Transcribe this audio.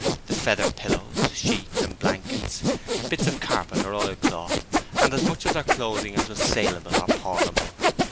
The feather pillows, sheets, and blankets: bits of carpet or oilcloth, and as much of their clothing as was saleable or pawnable.